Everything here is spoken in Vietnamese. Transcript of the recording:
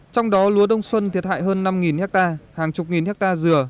trong đó lúa đông xuân thiệt hại hơn năm ha hàng chục nghìn ha dừa